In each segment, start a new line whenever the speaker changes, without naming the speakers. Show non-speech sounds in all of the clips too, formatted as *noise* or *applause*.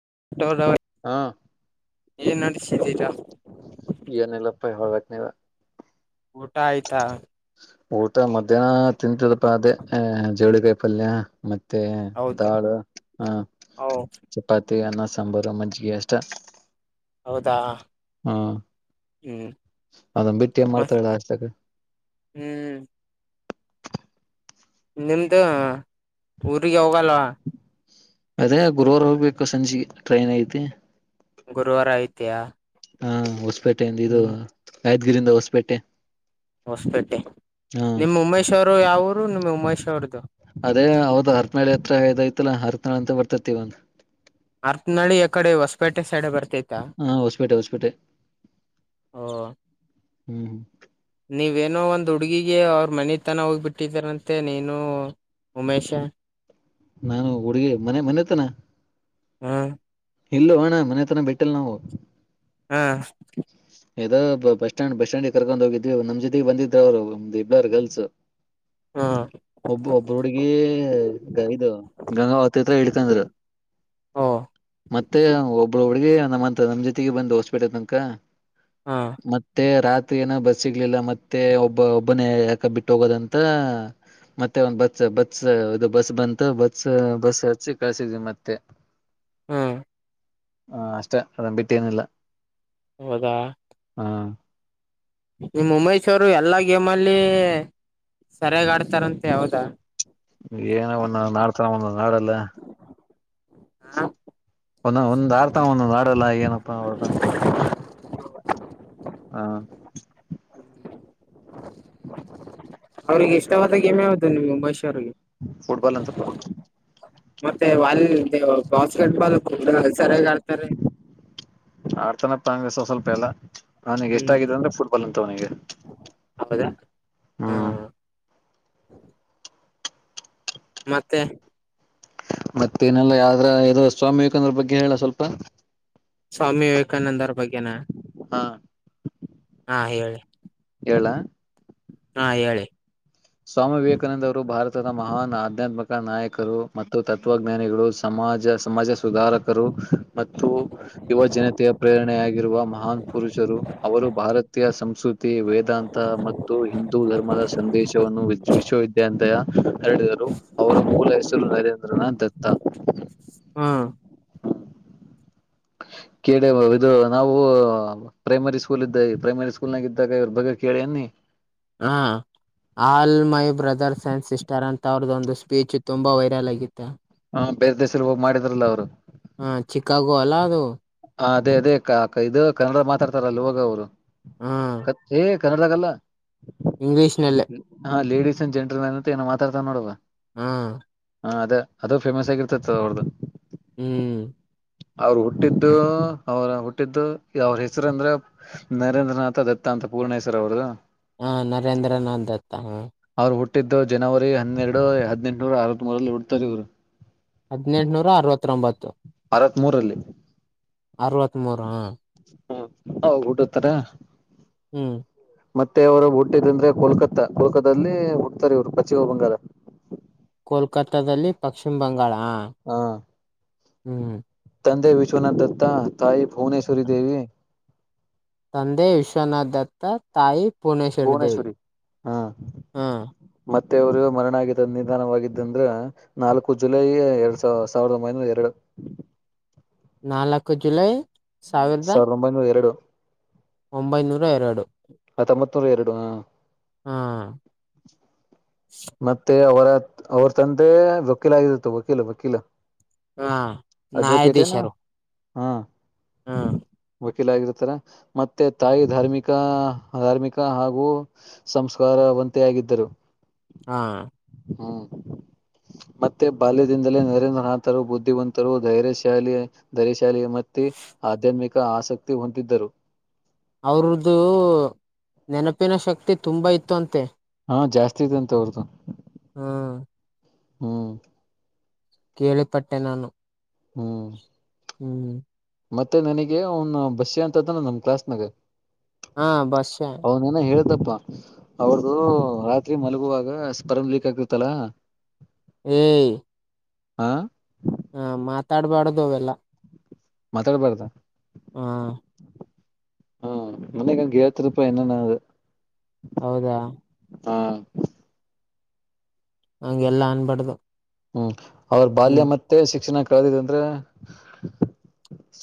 *inaudible*
ಹಾ
ಏನ್ ನಡಸಿದ್ದೀರಾ
ಏನಿಲ್ಲಪ್ಪ ಹೊಳ್ಕ್ ನೀವ
ಊಟ ಆಯ್ತಾ
ಊಟ ಮಧ್ಯಾಹ್ನ ತಿಂತದಪ್ಪ ಅದೇ ಜವಳಿಿಕಾಯಿ ಪಲ್ಯ ಮತ್ತೆ ಮತ್ತೆ
ಹೌದು
ದಾಳ ಹ
ಹೌ
ಚಪಾತಿ ಅನ್ನ ಸಾಂಬಾರು ಮಜ್ಜಿಗೆ ಅಷ್ಟ
ಹೌದಾ ಹ್ಮ್
ಅದಂದ ಬಿಟ್ಟಿಯ
ಮ
ಮಾಡ್ತಾಲ್ಲ ಅಷ್ಟಕ್ಕೆ
ಹ್ಮ್ ನಿಮ್ದು ಊರಿಗೆ ಹೋಗಲ್ವಾ
ಅದೇ ಗುರುವಾರ ಹೋಗ್ಬೇಕು ಸಂಜೆ ಟ್ರೈನ್ ಐತಿ
ಗುರುವಾರ ಐತೆಯಾ
ಹಾ ಹೊಸಪೇಟೆಯಿಂದ ಇದು ಯಾದ್ಗಿರಿಯಂದ ಹೊಸ್ಪೇಟೆ
ಹೊಸ್ಪೇಟೆ ನಿಮ್ಮ್ ಉಮೇಶ್ ಅವರು ಯಾವರು ನಿಮ್ ಉಮೇಶ್ ಅವರದು
ಅದೇ ಅವದ ಹರತ್ನಾಳ ಹತ್ರ ಇದೈ್ತಲ್ಲಾ ಹರತ್ನಾಳ ಅಂತ ಬರ್ತತಿವಂದ
ಆರ್ತ್ನಡಿ ಯಕಡೆ ಹೊಸಪೇಟೆ ಸೈಡೆ ಬರ್ತೈತಿ
ಹಾ ಸಪೇಟೆ ಸಪೇಟೆ
ಓ
ಹ್ಮ್ ಹ್ಮ
ನೀವೇನೋ ಒಂದ್ ಹುಡುಗಿಗೆ ಅವ್ರ ಮನೆ ತನ ಹೋಗ್ಬಿಟ್ಟಿದಾರಂತೆ ನೀನು ಉಮೇಶ
ನಾನು ಹುಡುಗಿ ಮನೆ ಮನೆತನ
ಹ್ಮ್
ಇಲ್ಲ ಅಣ್ಣ ಮನೆತನ ಬಿಟ್ಟಲ್ ನಾವು
ಹಾ
ಯದೋ ಬಸ್ ಸ್ಟ್ಯಾಂಡ್ ಬಸ್ ಸ್ಟ್ಯಾಂಡ್ಗೆ ಕರ್ಕೊಂಡ್ ಹೋಗಿದ್ವಿ ನಮ್ ಜೊತೆಗೆ ಬಂದಿದ್ರು ಅವ್ರುಮ್ದ ಇಬ್ಬರ್ ಗರ್ಲ್ಸ್
ಹ
ಒಬ್ಬ ಒಬ್ಬರು ಹುಡ್ಗಿ ಇದು ಗಂಗಾಾವ ತತ್ರ ಇಡ್ಕಂದ್ರ
ಓ
ಒಬ್್ರ ಒಿಗೆ ನಮ್ಮಂತ ನಮ್ ಜೊತೆಗೆ ಬಂದು ಹೋಸ್ಬಿಟ್ಟ ತನಕ
ಹ
ಮತ್ತೆ ರಾತ್ರಿ ಮ ಏನೋ ಬಸ್ ಸಿಗ್ಲಿಲ್ಲ ಮತ್ತೆ ಒಬ್ಬ ಒಬ್ಬನೇ ಯಾಕ ಬಿಟ್ಟ ಹೋಗೋದಂತ ಮತ್ತೆ ಒಂದ್ ಬಸ್ ಬಸ್ ಇದು ಬಸ್ ಬಂತು ಬಸ್ ಬಸ್ ಹಚ್ಚಿ ಕಸಿದ್ವಿ ಮತ್ತೆ
ಹ್ಮ್
ಹಾ ಅಷ್ಟೇ ಅದ್ ಬಿಟ್ಟೇನಿಲ್ಲ
ಹೌದ
ಹಾ
ನಿಮ್ಮ ಮುಂಬೈಸವರು ಎಲ್ಲಾ ಗೇಮ್ ಅಲ್ಲಿ ಸರಿಯಾಗ ಆಡ್ತಾರಂತೆ ಯಾವದಾ
ಏನ ಒಂದು ನಾಡ್ತರ ಒಂದ ನಾಡೆಲ್ಲ
ಹಾ
ಒಂದ ಒಂದ್ ಆಡ್ತಾನ ಒಂದೊಂದ್ ಆಡಲ್ಲ ಏನಪ್ಪಾ ಹೊರಟ ಹಾ
ಅವಳ ಎಷ್ಟಾವ ಗಮ ಯಾವತ
ುಟ್ಬಾಲ್ ಅಂತ ಪ
ಮತ್ತೆ ವಾಲ ಬಾಸ್ ಗಟ್ ಅ ಕೂಡ ಸರಿಯಗ ಆಡ್ತಾರೆ
ತಂಗಸ ಸ್ವಲ್ಪ ಎಲ್ಲ ಹನಿಗೆ ಎಷ್ಟ
ಹ್ಮ್
ಆಗಿದ್ದ ಅಂದ್ರೆ ಫುಟ್ಬಾಲ್ ಅಂತವನಿಗೆ
ಹೌದಾ ಹಾ
ಹ್ಮ್
ಮತ್ತ
ಮತ್ತೇನೆಲ್ಲ ಯಾವ್ದ್ರ ಯ ಸ್ವಾಮಿ ವಿವೇಕಂದ್ರ ಬಗ್ಗೆ ಹೇಳ ಸ್ವಲ್ಪ
ಸ್ವಾಮಿ ವಿವೇಕಾನಂದ ಅವರ ಬಗ್ಗೆನಾ
ಹಾ
ಹಾ ಹೇಳಿ
ಕ
ಹಾ ಹೇಳಿ
ಸ್ವಾಮಿ ವಿವೇಕಾನಂದ ಅವರು ಭಾರತ ಭತದ ಮಹಾನ್ ಆಧ್ಯಾತ್ಮಿಕ ನಾಯಕರು ಮತ್ತು ತತ್ವಜ್ಞಾನಿಗಳು ಸಮಾಜ ಸಮಾಜ ಸುಧಾರಕರು ಮತ್ತು ಯುವ ಜನತೆಯ ಪ್ರೇರಣೆಯಾಗಿರುವ ಮಹಾನ್ ಪುರುಷರು ಅವರು ಭಾರತೀಯ ಸಂಸ್ಕೃತಿ ವೇದಾಂತ ಮತ್ತು ಹಿಂದೂ ಧರ್ಮದ ಸಂಧಿ ವಿಶ್ವವಿದ್ಯಾಲಯ ಹರಡಿದರು ಅವರ ಮೂಲ ಹೆಸರು ನರೇಂದ್ರನಾಥ್ ದತ್ತ
ಹ್ಮ *inaudible*
ಕೇಳ ಇದು ನಾವು ಪ್ರೈಮರಿ ಸ್ಕೂಲ್ ಇದ್ದ ಪ್ರೈಮರಿ ಸ್ಕೂಲ್ ನಾಗ ಇದ್ದಾಗ ಇವ್ರ ಬಗ್ ಕೇಳಿ ಅನ್ನಿ
ಹಾ all my brothers and sister ಅಂತ ಅವ್ರದ್ದೊಂದು ಸ್ಪೀಚ್ ತುಂಬಾ ವೈರಲ್ ಆಗಿತ್ತು
ಹಾ ಬೇರೆ ದೇಶದಲ್ಲಿ ಹೋಗ್ ಮಾಡಿದ್ರಲ್ಲ ಅವರು
ಹಾ ಚಿಕಾಗೋ ಅಲ್ಲಾ ಅದು
ಹ ಅದೇ ಅದೇ ಅ ಇದು ಕನ್ನಡ ಮಾತಾಡ್ತಾರಲ್ವಾಗ ಅವರು
ಹ
ಕನ್ನಡಾಗಲ್ಲ
ಇಂಗ್ಲಿಷ್ ನಲ್ಲೇ
ಹಾ ಲೇಡೀಸ್ ಅಂಡ್ ಜೆಂಟಲ್ಮ್ಯಾನ್ ಅಂತ ಏನೋ ಮಾತಾಡ್ತ ನೋಡವ
ಹ
ಹಾ ಅದೇ ಅದು ಫೇಮಸ್ ಆಗಿರ್ತತಿ ಅವರ್
ಹ್ಮ್
ಅವ್ರ ಹುಟ್ಟಿದ್ದು ಅವ್ರ ಹುಟ್ಟಿದ್ದು ಅವ್ರ ಹೆಸರು ಅಂದ್ರೆ ನರೇಂದ್ರನಾಥ ದತ್ತಾ ತ ಪೂರ್ಣೇಶ್ವ ಅವದು
ಹಾ ನರೇಂದ್ರನಾಥ್ತ್ತ ಹ
ಅವ್ರು ಹುಟ್ಟಿದ್ದು ಜನವರಿ ಹನ್ನೆರಡು ಹದ್ಟನೂರ ಅರತ್ತ್ ಮೂರಲ್ಲಿ ಹುಡ್ತಾರೆ ಇವರು
ಹದಿನೆಂಟನೂರ ಅರವತ್ತೊಂಬತ್ತು
ಅರವತ್ ಮೂರಲ್ಲಿ
ಅರವತ್ ಮೂೂರ ಹ
ಹ್ಮ ಹ ಊಟತ್ತಾರ
ಹ್ಮ್
ಮತ್ತೆ ಅವರು ಹುಟ್ಟಿದ ಅಂದ್ರೆ ಕೋಲ್ಕತ್ತಾ ಕೋಲ್ಕತ್ತಲ್ಲಿ ಹುಡ್ತಾರೆ ಇವ್ರು ಪಶ್ಚಿಮ ಬಂಗಾರ
ಕ ಕೊಲ್ಕತ್ತಾದಲ್ಲಿ ಪಶ್ಚಿಮ ಬಂಗಾಳ
ಹಾ
ಹ್ಮ
ಶುನ ದತ್ತ ತಾಯಿ ಭುವನೇಶ್ವರಿ ದೇವಿ
ತಂದೆ ವಿಶ್ವನಾಥ್ ದತ್ತ ತಾಯಿ ಪೂರ್ನೇಶ್ವರಿ ದೇವಿ
ಭುವನೇಶ್ವರಿ
ಹಾ
ಮತ್ತೆಯವರು ಮರಣ ಆಗಿದ್ದ ನಿಧಾನವಾಗಿದ್ದಂದ್ರ ನಾಲ್ಕು ಜುಲೈ ಎರಡ್ ಸಾವ ಸಾವಿರದ ಒಂಬೈನೂರ ಎರಡು
ನಾ ಲಾಕ ಜುಲೈ
ಸಾವಿರದ ಒಂಬೈನೂರ ಎರಡು
ಒಂಬೈನೂರ ಎರಡು
ಆ ತಂಬತ್ನೂರು ಎರಡು ಆ
ಹಾ
ಮತ್ತೆ ಅವರ ಅವ್ರ ತಂದೆ ವಕೀಲ ಆಗಿರುತ್ತು ವಕೀಲ ವಕೀಲ
ಹಾ
ಅಡ್ವೊಕೇಟ್ ಏನ
ನ್ಯಾಯಾಧೀಶರು
ಹಾ
ಹಾ
ವಕೀಲ ಆಗಿರ್ತಾರೆ ಮತ್ತೆ ತಾಯಿ ಧಾರ್ಮಿಕ ಧಾರ್ಮಿಕ ಹಾಗೂ ಸಂಸ್ಕಾರ ವಂತೆಯಾಗಿದ್ದರು
ಹಾ
ಹ್ಮ ಮತ್ತೆ ಬಾಲ್ಯದಿಂದಲೇ ನರೇಂದ್ರನಾಥರು ಬುದ್ಧಿವಂತರು ಧೈರ್ಯಶಾಲಿ ಧೈರ್ಯಶಾಲಿ ಮತ್ತೆ ಆಧ್ಯಾತ್ಮಿಕ ಆಸಕ್ತಿ ಹೊಂತಿದ್ದರು
ಅವ್ರ್ದು ನೆನಪಿನ ಶಕ್ತಿ ತುಂಬಾ ಇತ್ತು ಅಂತೆ
ಹಾ ಜಾಸ್ತಿ ಇದೆ ಅಂತ ಅವ್ರ್ದು.
ಹಾ
ಹ್ಮ್
ಕೇಳಿಪಟ್ಟೆ ನಾನು.
ಹ್ಮ್
ಹ್ಮ್
ಮತ್ತೆ ನಿನಗೆ ಅವನ್ ಬಸ್ಯ ಅಂತದನ ನಮ್ ಕ್ಲಾಸ್ನಾಗ
ಹಾ ಬಸ್ಯ.
ಪ್ಪ ಅವ್ರ್ದು ರಾತ್ರಿ ಮಲಗುವಾಗ ಸ್ಪರ್ನ್ ಲೀಕ್ ಆಗ್ತಿತ್ತಲ್ಲ
ಏ
ಹಾ
ಹ ಮಾತಾಡ್ಬಾಡ್ದು ಅವೆಲ್ಲ.
ಮಾತಾಡ್ಬಾರ್ದ?
ಹಾ
ಹ್ಮ ಮನೆಗ *unintelligible*
ಹೌದಾ
ಹಾ
ಹಂಗೆ ಎಲ್ಲಾ ಅನ್ಬಾರ್ದು.
ಹ್ಮ್ ಅವ್ರ ಬಾಲ್ಯ
ಹ್ಮ್
ಮತ್ತೆ ಶಿಕ್ಷಣ ಕಳದಿದೆಂದ್ರೆ.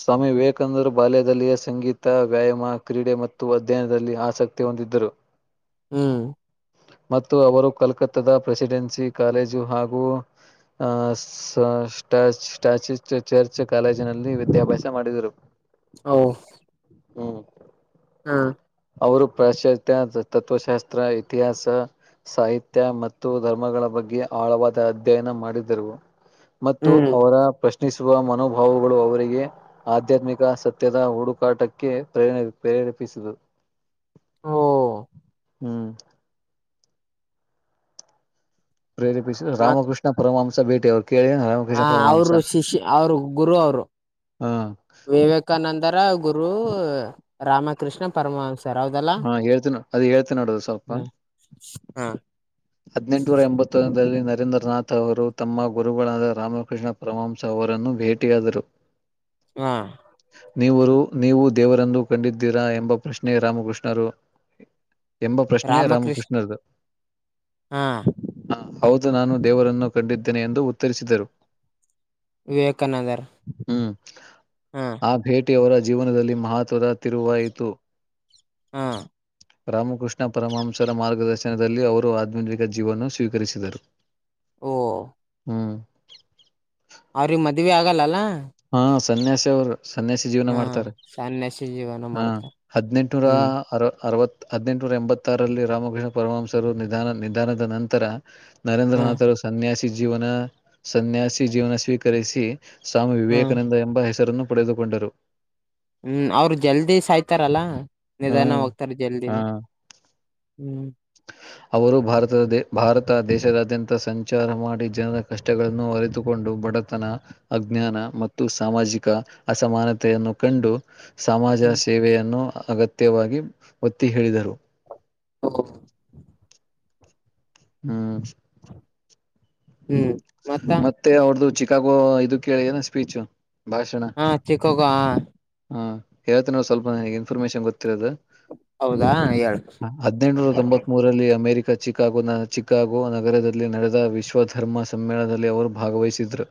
ಸ್ವಾಮಿ ವಿವೇಕಾನಂದರು ಬಾಲ್ಯದಲ್ಲಿಯ ಸಂಗೀತ ವ್ಯಾಯಾಮ ಕ್ರೀಡೆ ಮತ್ತು ಅಧ್ಯಯನದಲ್ಲಿ ಆಸಕ್ತಿ ಹೊಂದಿದ್ದರು.
ಹ್ಮ್
ಮತ್ತು ಅವರು ಕಲ್ಕತ್ತಾದ ಪ್ರೆಸಿಡೆನ್ಸಿ ಕಾಲೇಜು ಹಾಗೂ ಅಹ ಸ್ಟಚ್ ಸ್ಟಾಚ ಚರ್ಚ್ ಕಾಲೇಜಿನಲ್ಲಿ ವಿದ್ಯಾಭ್ಯಾಸ ಮಾಡಿದರು.
ಹಓ
ಹ್ಮ್ ಅವರು ಪ್ರಾಶ್ಚಾತ್ಯ ತತ್ತ್ವಶಾಸ್ತ್ರ ಇತಿಹಾಸ ಸಾಹಿತ್ಯ ಮತ್ತು ಧರ್ಮಗಳ ಬಗ್ಗೆ ಆಳವಾದ ಅಧ್ಯಯನ ಮಾಡಿದರು. ಮತ್ತು
ಹ್ಮ್
ಅವರ ಪ್ರಶ್ ಶ್ನಿಸುವ ಮನೋಭಾವಗಳು ಅವರಿಗೆ ಆಧ್ಯಾತ್ಮಿಕ ಸತ್ಯದ ಹುಡುಕಾಟಕ್ಕೆ ಪ್ರೇರಣೆ ಪ್ರೇ ಪೀಸದು
ಹಓ
ಹ್ಮ್ ಪ್ರೇರೇಪಿಸಿ
ಮತ್
ರಾಮಕೃಷ್ಣ ಪರಮಹಂಸ ಭೇಟಿ ಕೇಳಿ
ಹ
ರಾಮಕೃಷ್ಣ ಪರಮಹಂಸ
ಅವರು ಶಿಷ್ಯ ಅವರು ಗುರು ಅವರು.
ಹ
ವಿವೇಕಾನಂದರ ಗುರು ರಾಮಕೃಷ್ಣ ಪರಮಹಂಸ.
ಹಾ ಹೇಳ್ತೇನ ಅದ ಹೇಳ್ತೇ ನೋಡದು ಸ್ವಲ್ಪ.
ಹ್ಮ ಹ
ಹದ್ನೆಂಟನೂರ ಎಂಬತ್ತೊ ದಲ್ಲಿ ನರೇಂದ್ರನಾಥ್ ಅವರು ತಮ್ಮ ಗುರುಗಳಾದ ರಾಮಕೃಷ್ಣ ಪರಮಂಸ ಅವರನ್ನು ಭೇಟಿಯಾದರು.
ಹಾ
ನೀವರು ನೀವು ದೇವರನ್ನು ಕಂಡಿದ್ದೀರಾ ಎಂಬ ಪ್ರಶ್ನೆ ರಾಮಕೃಷ್ಣರು ಎಂಬ ಪ್ರಶ್ನೆೆಯೇ ರಾಮಕೃಷ್ಣರ್ದು.
ಹ್ಮ
ಹೌದು ನಾನು ದೇವರನ್ನು ಕಂಡಿದ್ದೇನೆ ಎಂದು ಉತ್ತರಿಸಿದರು.
ವಿವೇಕನಗರ.
ಹ್ಮ ಆ ಭೇಟಿ ಅವರ ಜೀವನದಲ್ಲಿ ಮಹತ್ವದ ತಿರುವಾಯಿತು.
ಹಾ
ರಾಮಕೃಷ್ಣ ಪರಮಂಸರ ಮಾರ್ಗದರ್ಶನದಲ್ಲಿ ಅವರು ಆಧ್ಯತ್ಮಿಕ ಜೀವನ ಸ್ವೀಕರಿಸಿದರು.
ಓ
ಹ್ಮ್
ಅವ್ರಿಗೆ ಮದ್ವೆ ಆಗಲ್ಲಲ್ಲಾ.
ಹಾ ಸನ್ಯಾಸಿ ಅವರು. ಸನ್ಯಾಸಿ ಜೀವನ
ಹಾ
ಮಾಡ್ತಾರೆ
ಸನ್ಯಾಸಿ ಜೀವನ
ಹ
ಮಾಡ್ತಾರ
ಹದ್ನೆಂಟನೂರ
ಹ್ಮ್
ಅರ ಅರವತ್ತ್ ಹದ್ನೆಂಟುನೂರ ಎಂಬತ್ತಾರಲ್ಲಿ ರಾಮಕೃಷ್ಣ ಪರಮಂಸರು ನಿಧಾನ ನಿಧಾನದ ನಂತರ.
ಹ್ಮ
ನರೇಂದ್ರನಾಥ್ರು ಸನ್ಯಾಸಿ ಜೀವನ ಸನ್ಯಾಸಿ ಜೀವನ ಸ್ವೀಕರಿಸಿ ಸ್ವಾಮಿ.
ಹ್ಮ್
ವಿವೇಕಾನಂದ ಎಂಬ ಹೆಸರನ್ನು ಪಡೆದುಕೊಂಡರು.
ಹ್ಮ್ ಅವರು ಜಲ್ದಿ ಸಾಯ್ತಾರಲ್ಲಾ. ನಿಧಾನ
ಹ್ಮ್
ಹೋಗ್ತಾರೆ
ಹ
ಜಲ್ದಿನಿ ಹ್ಮ್.
ಅವರು ಭಾರತದ ಭಾರತ ದೇಶದಾದ್ಯಂತ ಸಂಚಾರ ಮಾಡಿ ಜನರ ಕಷ್ಟಗಳನ್ನು ಅರಿತುಕೊಂಡು. ಬಡತನ ಅಜ್ಞಾನ ಮತ್ತು ಸಾಮಾಜಿಕ ಅಸಮಾನತೆಯನ್ನು ಕಂಡು. ಸಮಾಜ
ಹ್ಮ್
ಸೇವೆಯನ್ನು ಅಗತ್ಯವಾಗಿ ಒತ್ತಿ ಹೇಳಿದರು.
ಓ
ಹ್ಮ
ಹ್ಮ್ ಮತ್ತ
ಮತ್ತೆ ಅವ್ರದುು ಚಿಕಾಗೋ ಇದದು ಕೇಳಏನ ಸ್ಪೀಚ್.
ಹಾ ಚಿಕಾಗೊ ಹ.
ಹೇಳಿನ್ ನೋ ಸ್ವಲ್ಪ ಇನ್ಫರ್ಮೆಷನ್ ಗೊ
ಹೌದಾ ಹೇಳು
ಹದಿನೆಂಟನೂರ ತೊಂಬತ್ ಮೂರಲ್ಲಿ ಅಮೆರಿಕ. ಚಿಕಾಗೋ ನ ಚಿಕಾಗೋ ನಗರದಲ್ಲಿ ನಡೆದ ವಿಶ್ವ ಧರ್ಮ. ಸಮ್ಮೇಳನದಲ್ಲಿ ಅವರು ಭಾಗವಹಿಸಿದ್ದರು.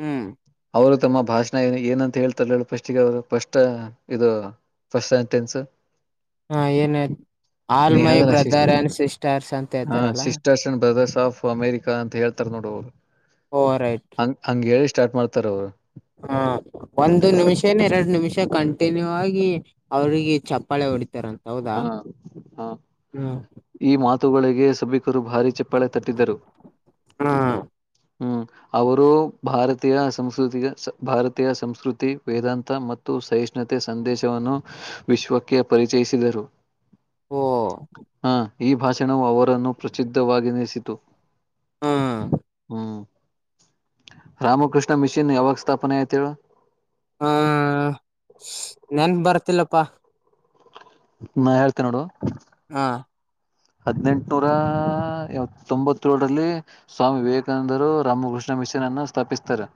ಹ್ಮ್
ಅವರು ತಮ್ಮ ಭಾಷಣ ಏ ಏನಂತ ಹೇಳ್ತಾರೆ ಹೇಳ ಫಸ್ಟ್ಗೆ ಅವರು ಫಸ್ಟ್ ಇದು. First sentence.
ಹಾ ಏನ್ತ ಆಲ್
ನೀ
ಮೈ
ಹೇಳ್ದಲ್ಲ ಸಿಸ್ಟ್
ಬ್ರದರ್ ಅಂಡ್ ಸಿಸ್ಟರ್ಸ್ ಅಂತ
ಹ
ಹೇಳ್ತಾರಲ್ಲ.
Sisters and brothers of America ಅಂತ ಹೇಳ್ತಾರ ನೋಡು ಅವರು
ಓವರ್
ಹಂಗ್ ಹಂಗ ಹೇಳಿ ಸ್ಟಾರ್ಟ್ ಮಾಡ್ತಾರ ಅವ್ರು.
ಹಾ ಒಂದು ನಿಮಿಷನ ಎರಡು ನಿಮಿಷ ಕಂ ತ್ಯನ್ಯವಾಗಿ ಅವರಿಗೆ ಚಪ್ಪಾಳೆ ಹೊಡಿತ
ಹಾ ಹಾ ಈ ಮಾತ್ ತುಗಳಿಗೆ ಸಭಿಕರು ಭಾರಿ ಚಪ್ಪಳೆ ತಟ್ಟಿದರು.
ಹಾ
ಹ್ಮ್ ಅವರು ಭಾರತೀಯ ಸಂಸ್ಕೃತಿ ಭಾರತೀಯ ಸಂಸ್ಕೃತಿ ವೇದಾಂತ ಮತ್ತು. ಸಹಿಷ್ಣುತೆ ಸಂದೇಶವನ್ನು ವಿಶ್ವಕ್ಕೆ ಪರಿಚಯಿಸಿದರು.
ಓ
ಹ ಈ ಭಾಷಣವು ಅವರನ್ನು ಪ್ರಸಿದ್ಧವಾಗೆನಿಸಿತು.
ಹ್ಮ್
ಹ್ಮ್ ರಾಮಕೃಷ್ಣ ಮಿಷನ್ ಯಾವಾಗ ಸ್ಥಾಪನೆ ಆಯ್ತ ಹೇಳು.
ಹಾ ನೆನ್ಪ್ ಬರ್ತಿಲ್ಲಪ್ಪಾ.
ನಾ ಹೇಳ್ತಿನ್ ನೋಡು.
ಹಾ
ಹದ್ನೆಂಟನೂರ ತೊಂಬತ್ತೇಳರಲ್ಲಿ ಸ್ವಾಮಿ ವಿವೇಕಾನಂದರು ರಾಮಕೃಷ್ಣ. ಮಿಷನ್ ಅನ್ನ ಸ್ಥಾಪಿಸ್ತಾರೆ.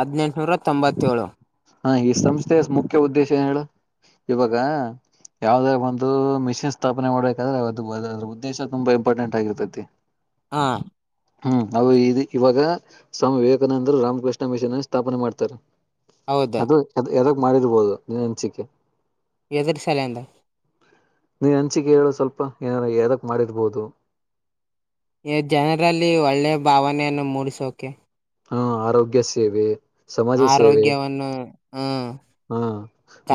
ಹದಿನೆಂಟುನೂರ ತೊಂಬತ್ತೇಳು.
ಹಾ ಈ ಸಂಸ್ಥೆಯ ಮುಖ್ಯ ಉದ್ದೇಶ ಏನ್ ಹೇಳು. ಇವಾಗ ಯಾವದ ಒಂದು ಮಿಷಿನ್ ಸ್ಥಾಪನೆ ಮಾಡ್ಬೇಕಾದ್ರೆ ಒಂದ್ ಅದ್ರ ಉದ್ದೇಶ ತುಂಬಾ ಇಂಪಾರ್ಟೆಂಟ್ ಆಗಿರುತ್ತೆ ‌.
ಹಾ
ಹ್ಮ್ ಅವ ಇ ಇವಾಗ ಸ್ವಾಮಿ ವಿವೇಕಾನಂದರು ರಾಮಕೃಷ್ಣ ಮಿಷಿನ್ ಸ್ಥಾಪನೆ ಮಾಡ್ತಾರೆ.
ಹೌದು
ಅದು ಯದುಕ್ ಮಾಡಿರ್ಬೋದು ನನ್ ಹಂಚಿಕೆ.
ಎದರಿಸರಿಸಾಲಂದ.
ನೀನ್ ಅಂಚಿಕೆ ಹೇಳೋ ಸ್ವಲ್ಪ ಏನಾರ ಯದಕ್ ಮಾಡಿರ್ಬೋದು.
ಜನರಲ್ಲಿ ಒಳ್ಳೆಯ ಭಾವನೆಯನ್ನು ಮೂಡಿಸೋಕೆ.
ಹಾಂ ಆರೋಗ್ಯಸೇವೆ.
ಆರೋಗ್ಯವನ್ನು ಹ್ಮ.
ಹಾ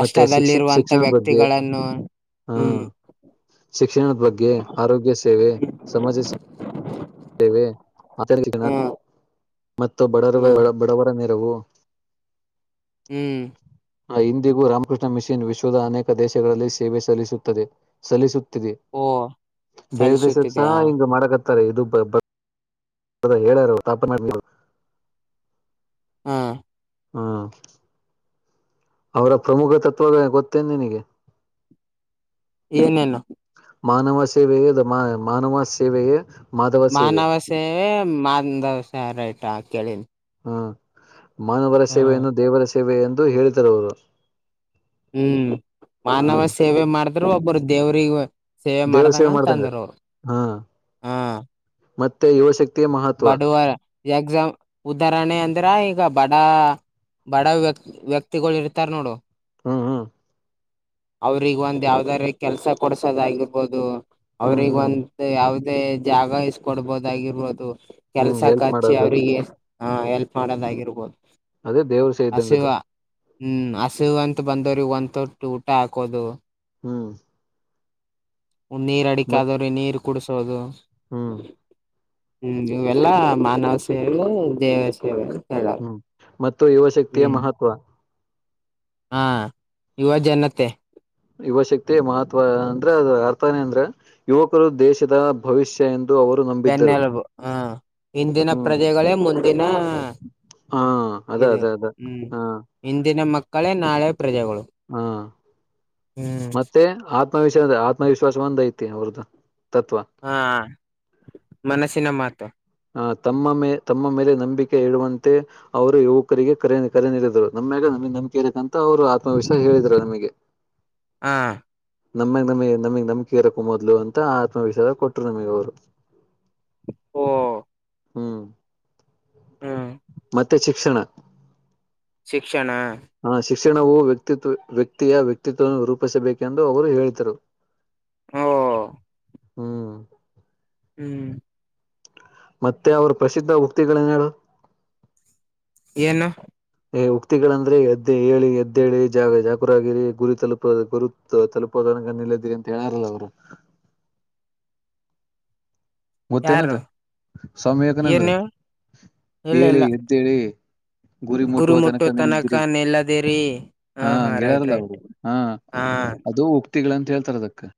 ಮತ್ತೆ ಶಿಕ್ಷ ಶಿಕ್ಷಣದ ಬಗ್ಗೆ
ವ್ಯಕ್ತಿಗಳನ್ನು
ಹಾ
ಹ್ಮ್.
ಶಿಕ್ಷಣದ ಬಗ್ಗೆ ಆರೋಗ್ಯ ಸೇವೆ ಸಮಾಜ ಸೇವೆ.
ಹ್ಮ್
*unintelligible* ಮತ್ತು ಬಡ
ಹ್ಮ್
ಬಡವರ. *inaudible* *unintelligible*
ಹ್ಮ್.
ಇಂದಿಗೂ ರಾಮಕೃಷ್ಣ ಮಿಷನ್ ವಿಶ್ವದ ಅನೇಕ ದೇಶಗಳಲ್ಲಿ ಸೇವೆ ಸಲ್ಲಿಸುತ್ತದೆ ಸಲ್ಲಿಸ.
ಓ
ಬೇರೆ ದೇಶಕ್ಕೆಸ
ಸಲ್ಲಿಸುತ್ತಿದೆಯಾ
ಹಿಂಗ ಮಾಡಕ ಹತ್ತಾರೆ ಇದು. ಅದ ಹೇಳಾರ ತಾಪನಡವು. *unintelligible*
ಹಾ.
ಹಾ. ಅವರ ಪ್ರಮುಖ ತತ್ವದ ಗೊತ್ತೇನೆ ನಿನಗೆ.
ಏನೇನು.
ಮಾನವ ಸೇವೆಯೇ ದ ಮಾ ಮಾನವ ಸೇವೆಯೇ. ಮಾಧವ ಸೇವೆ
ಮಾನವ ಸೇವೆ ಮಾನದವಸ ರಐಟಾ ಕೇಳಿನಿ.
ಹ್ಮ ಮಾನವರ ಸೇವೆೆಯನ್ನು ದೇವರ ಸೇವೆ ಎಂದು ಹೇಳೇತಾರ ಅವರು.
ಹ್ಮ್ ಮಾನವ
ಹ್ಮ್
ಸೇವೆ ಮಾಡಿದ್ರು ಒಬ್ಬರು ದೇವ್ರಿಗೆ. ಸೇವೆ
ದೇವರ ಸೇವೆ
ಮಾಡ್ದಂಗಂತ
ಮಾಡ್ದಂಗ
ತಂದರು ಅವರು
ಹಾ
ಹಾ.
ಮತ್ತೆ ಯುವಶಕ್ತಿ.
ಬಡವಾರ ಎಕ್ಸ ಉದಾಹರಣೆ ಅಂದ್ರ. ಇದ್ರ ಈಗ ಬಡ ಬಡ ವ್ಯಕ್ತಿ ವ್ಯಕ್ತಿಗಳು ಇರ್ತಾರ ನೋಡು.
ಹ್ಮ್ ಹ್ಮ್.
ಅವ್ರಗ ಒಂದ್ ಯಾವ್ದಾರ ಕೆಲ್ಸ ಕೊಡ್ಸೋದಗಿರ್ಬೋದು.
ಹ್ಮ್
ಅವ್ರಗ
ಹ್ಮ್
ಒಂತ ಯಾವದೇ ಜಾಗ ಇಸ್ಕೊಡ್ಬೋದಾಗಿರ್ಬೋದು.
ಹ್ಮ್
ಕೆಲ್ಸಕ್
ಹೆಲ್ಪ್
ಹಚ್ಚಿ
ಮಾಡೋದು
ಅವ್ರಿಗೆ ಹ ಎಲ್ಪ್ ಮಾಡೋದಾಗಿರ್ಬೋದು.
ಅದೇ ದೇವ್ರ ಸೇ
ಹಸಿವ
ಇದ್ದಂಗದು
ಹ್ಮ್ ಹಸಿವ ಅಂತ ಬಂದವ್ರಿಗೆಗ ಒಂದ್ ತೊಟ್ಟ ಊಟ ಹಾಕೋದು.
ಹ್ಮ್.
ಒಂದ್ ನೀರ್ ಅಡಿಕ
ಮತ್
ಆದವ್ರೆ ನೀರು ಕುಡಸೋದು.
ಹ್ಮ್.
ಹ್ಮ್ ಇವೆಲ್ಲಾ ಮಾನವ ಸೇವೆ ದೇವ ಸೇವೆ. ಹೇಳಾರ
ಹ್ಮ್ ಮತ್ತು ಯುವ ಶಕ್ತಿಯ
ಹ್ಮ್
ಮಹತ್ವ.
ಹಾ ಯುವ ಜನತೆ.
ಯುವಶಕ್ತಿ ಮಹತ್ವ ಅಂದ್ರೆ ಅದ ಅರ್ಥನ ಅಂದ್ರ ಯುವಕರು ದೇಶದ ಭವಿಷ್ಯ ಎಂತ.
ಬೆನ್ನೆಲುಬು ಹ ಹಿಂದಿನ
ಹ್ಮ್
ಪ್ರಜೆಗಳೇ ಮುಂದಿನ.
ಹಾ ಅದ
ಇದು
ಅದ ಅದ
ಹ್ಮ್
ಹಾ
ಹಿಂದಿನ ಮಕ್ಕಳೇ ನಾಳೆ. ಪ್ರಜೆಗಳು
ಹಾ
ಹ್ಮ್
ಮತ್ತೆ ಆ. ಆತ್ಮವಿಶ್ ಆತ್ಮವಿಶ್ವಾಸ ಒಂದ್ ಐತಿ ಅವ್ರದು.
ಹಾ ಮನಸ್ಸಿನ ಮಾತು.
ಆ ತಮ್ಮ ಮೇ ತಮ್ಮ ಮೇಲೆ ನಂಬಿಕೆ ಇರೂವಂತೆ ಅವರು ಯುವಕರಿಗೆ ಕರೆ ಕರೆ ನೀಡಿದರು ನಮ್ಯ. ನಮಗೆ ನಂಬಿಕೆ ಇರೇಕ ಅಂತ ಅವ್ರು ಆತ್ಮವಿಶ್ವಾಸ ಹೇಳಿದ್ರ ನಮಗೆ.
ಹಾ.
ನಮ್ಮಗ್ ನಮಿ ನಮಗ್ ನಂಬಿಕೆ ಇರಕ್ಕೂ ಮೊದ್ಲು ಅಂತ ಆತ್ಮವಿಶ್ವಾಸ ಕೊಟ್ರು ನಮಗ್ ಅವರು.
ಹಓ.
ಹ್ಮ್.
ಹ್ಮ್.
ಮತ್ತೆ ಶಿಕ್ಷಣ.
ಶಿಕ್ಷಣ.
ಹ ಶಿಕ್ಷಣವು ವ್ಯಕ್ತಿತ್ವ ವ್ಯಕ್ತಿಯ ವ್ಯಕ್ತಿತ್ವವನ್ನು ರೂಪಿಸಬೇಕೆಂದು ಅವರು ಹೇಳಿದರು.
ಓ
ಹ್ಮ್.
ಹ್ಮ್.
ಮತ್ತೆ ಅವ್ರ ಪ್ರಸಿದ್ಧ ಉಕ್ತಿಗಳೇನು ಹೇಳು.
ಏನು.
ಉಕ್ತಿಗಳಂದ್ರೆ ಎದ್ದೆ ಹೇಳಿ ಎದ್ದೇಳಿ ಜಾಗ ಜಾಕುರಾಗಿರಿ ಗುರಿ ತಲುಪ ಗುರು ತಲುಪೋದ. ನಿಲ್ಲದ್ರಿ ಅಂತ ಹೇಳಾರಲ್ಲ ಅವರು.
*inaudible*
ಮತ್ತೇನದ
ಯಾರು
ಸಮ್ಯಕನಂದ್ರ
ಏನು ಇಲ್ಲ
ಹೇಳಿ
ಇಲ್ಲ
ಎದ್ದೇಳಿ. ಗುರಿ
ಗುರು
ಮುಟ್ಟುವ
ಮುಟ್ಟು
ತನಕ ನಿೇಲ್ಲಿದ್ರಿ
ನಿಲ್ಲದಿರಿ
ಹಾ ಗೆಳಾರಲ್ಲ ಅವರು ಹಾ.
ಹಾ
ಅದು ಉಕ್ತಿಗಳಂತ ಹೇಳ್ತಾರ ಅದಕ್ಕೆ.